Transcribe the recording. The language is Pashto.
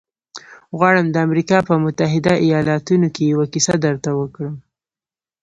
غواړم د امریکا په متحدو ایالتونو کې یوه کیسه درته وکړم